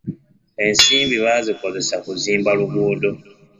Ensimbi baazikozesa kuzimba luguudo.